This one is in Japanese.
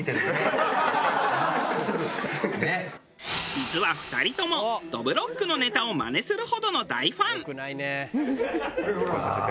実は２人ともどぶろっくのネタをまねするほどの大ファン。